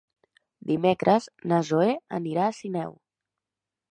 Dimecres na Zoè anirà a Sineu.